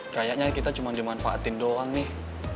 kayaknya kita cuma dimanfaatin doang nih